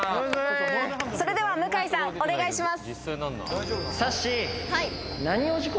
それでは向井さん、お願いします。